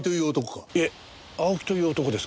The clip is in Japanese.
いえ青木という男ですが。